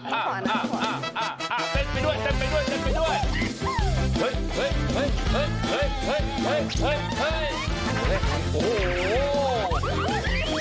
เต้นไปด้วยเต้นไปด้วยเต้นไปด้วย